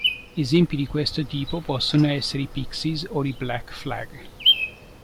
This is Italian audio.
Esempi di questo tipo possono essere i Pixies o i Black Flag.